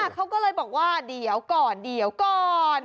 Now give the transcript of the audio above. เขาก็เลยบอกว่าเดี๋ยวก่อนเดี๋ยวก่อน